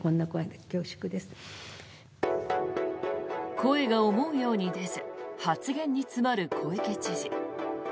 声が思うように出ず発言に詰まる小池知事。